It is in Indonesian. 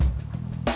tunggu nanti aja